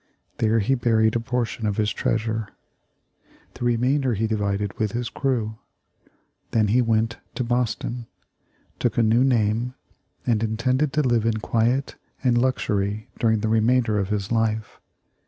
There he buried a portion of his treasure. The remainder he divided with his crew. Then he went to Boston, took a new name, and intended to live in quiet and luxury during the remainder of his life.